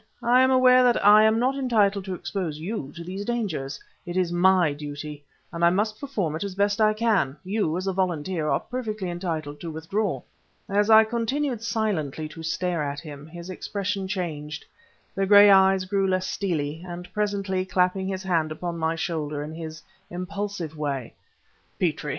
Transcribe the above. "I am aware that I am not entitled to expose you to these dangers. It is my duty and I must perform it as best I can; you, as a volunteer, are perfectly entitled to withdraw." As I continued silently to stare at him, his expression changed; the gray eyes grew less steely, and presently, clapping his hand upon my shoulder in his impulsive way "Petrie!"